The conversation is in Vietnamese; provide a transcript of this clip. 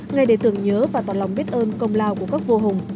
ngày đề tưởng nhớ và tỏ lòng biết ơn công lao của các vua hùng